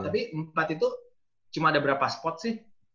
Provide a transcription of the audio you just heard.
tapi empat itu cuma ada berapa spot sih